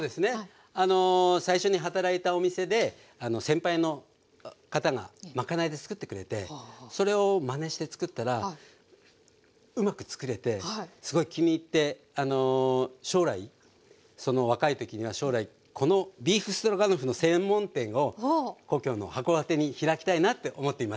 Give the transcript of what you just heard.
あの最初に働いたお店で先輩の方がまかないでつくってくれてそれをまねしてつくったらうまくつくれてすごい気に入って若い時には将来このビーフストロガノフの専門店を故郷の函館に開きたいなって思っていました。